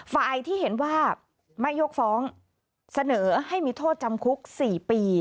ฝ่ายที่เห็นว่าไม่ยกฟ้องเสนอให้มีโทษจำคุก๔ปี